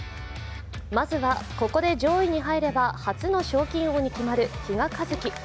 まずはここで上位に入れば初の賞金王に決まる比嘉一貴。